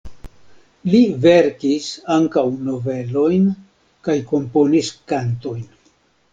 Li verkis ankaŭ novelojn kaj komponis kantojn.